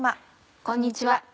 こんにちは。